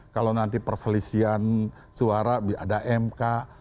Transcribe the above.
kalau nanti perselisihan suara ada mk